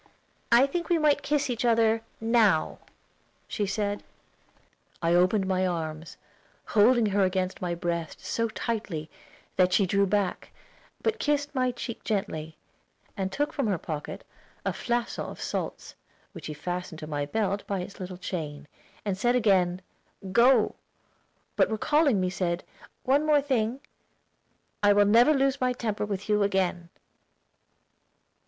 "I think we might kiss each other now," she said. I opened my arms, holding her against my breast so tightly that she drew back, but kissed my cheek gently, and took from her pocket a flaçon of salts, which she fastened to my belt by its little chain, and said again, "Go," but recalling me, said, "One thing more; I will never lose temper with you again."